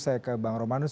saya ke bang romanus